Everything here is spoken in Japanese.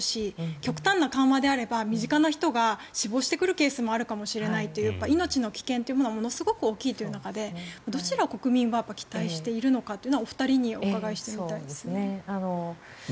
極端な緩和であれば身近な人が死亡してくるリスクもあるかもしれないという命の危険というものはものすごく多いという中でどちらを国民は期待しているのかというのはお二人にお伺いしてみたいです。